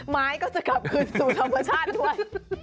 ไม้ก็จะกลับคืนสู่ธรรมชาติด้วย